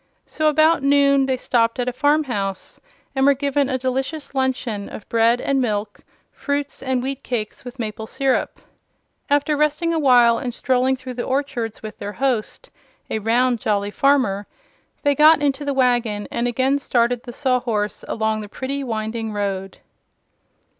So about noon they stopped at a farm house and were given a delicious luncheon of bread and milk, fruits and wheat cakes with maple syrup. After resting a while and strolling through the orchards with their host a round, jolly farmer they got into the wagon and again started the Sawhorse along the pretty, winding road.